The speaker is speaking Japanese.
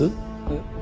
えっ？